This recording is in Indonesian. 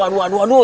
aduh aduh aduh